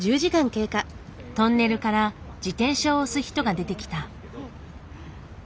トンネルから自転車を押す人が出てきた。